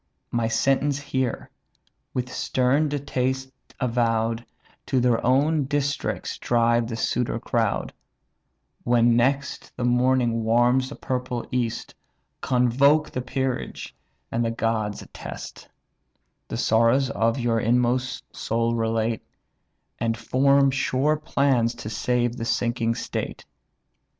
My sentence hear: with stern distaste avow'd, To their own districts drive the suitor crowd; When next the morning warms the purple east, Convoke the peerage, and the gods attest; The sorrows of your inmost soul relate; And form sure plans to save the sinking state.